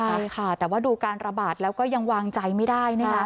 ใช่ค่ะแต่ว่าดูการระบาดแล้วก็ยังวางใจไม่ได้นะคะ